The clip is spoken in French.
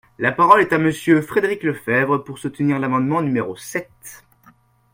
La parole est à Monsieur Frédéric Lefebvre, pour soutenir l’amendement numéro sept.